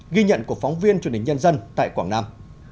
ghi nhận của phóng viên truyền hình nhân dân tại quảng nam